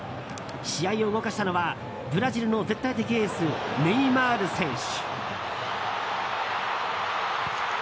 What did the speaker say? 試合を動かしたのはブラジルの絶対的エースネイマール選手。